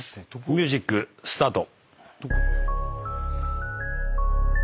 ミュージックスタート。